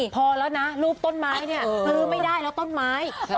พอแล้วนะรูปต้นไม้เนี่ยซื้อไม่ได้แล้วต้นไม้